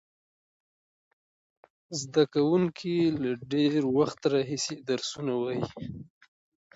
زده کوونکي له ډېر وخت راهیسې درسونه وایي.